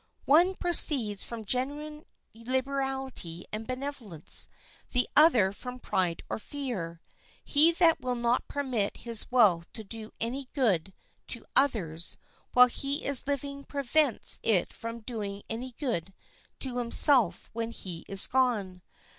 One proceeds from genuine liberality and benevolence; the other from pride or fear. He that will not permit his wealth to do any good to others while he is living prevents it from doing any good to himself when he is gone.